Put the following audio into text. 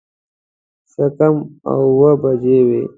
څه کم اووه بجې وې.